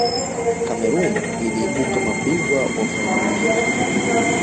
cameroon iliibuka mabingwa wa fainali hizo